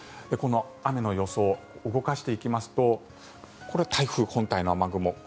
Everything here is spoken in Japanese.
雨の予想、動かしていきますとこれが台風本体の雨雲。